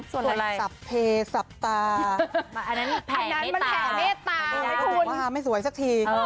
ส่วนอะไรสับเพจสับตาอันนั้นแผ่เมตตาไม่สวยสักที